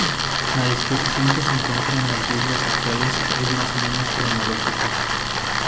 La disposición que se encuentra en las Biblias actuales es más o menos cronológica.